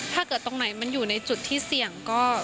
ถ้าเกิดตรงไหนมันอยู่ในจุดที่เสี่ยง